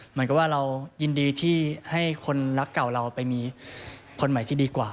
เหมือนกับว่าเรายินดีที่ให้คนรักเก่าเราไปมีคนใหม่ที่ดีกว่า